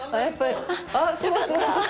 あすごいすごいすごい！